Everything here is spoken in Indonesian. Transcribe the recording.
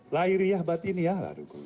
lahiriah batin ialah dukungan